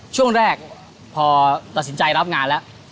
ช่วงแรกพอตัดสินใจรับงานแล้ว